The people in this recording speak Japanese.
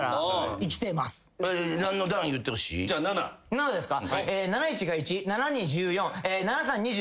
７ですか？